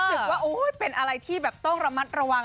รู้สึกว่าเป็นอะไรที่แบบต้องระมัดระวัง